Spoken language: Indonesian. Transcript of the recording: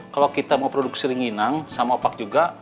kalau kita mau produk seringinang sama opak juga